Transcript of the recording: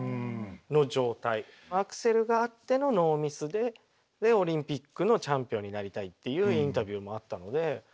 アクセルがあってのノーミスででオリンピックのチャンピオンになりたいっていうインタビューもあったので。